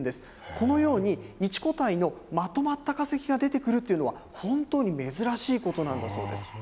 このように１個体のまとまった化石が出てくるというのは、本当に珍しいことなんだそうです。